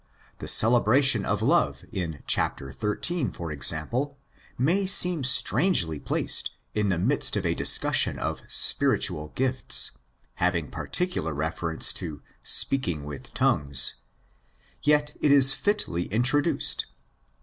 The celebration of love in ¢. xiii., for example, may seem strangely placed in the midst of a discussion of " spiritual gifts"' having particular reference to' speaking with tongues "'; yet it is fitly introduced (xii.